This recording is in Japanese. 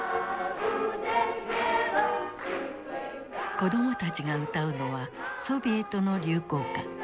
子供たちが歌うのはソビエトの流行歌。